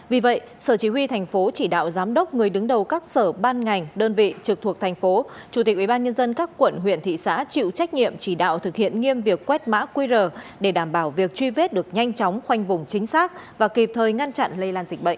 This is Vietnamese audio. vì vậy sở chỉ huy thành phố chỉ đạo giám đốc người đứng đầu các sở ban ngành đơn vị trực thuộc thành phố chủ tịch ubnd các quận huyện thị xã chịu trách nhiệm chỉ đạo thực hiện nghiêm việc quét mã qr để đảm bảo việc truy vết được nhanh chóng khoanh vùng chính xác và kịp thời ngăn chặn lây lan dịch bệnh